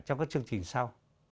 trong các chương trình sau